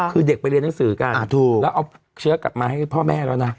คือเด็กไปเรียนหนังสือกันแล้วเอาเชื้อกลับมาให้พ่อแม่แล้วนะ